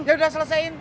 ya udah selesain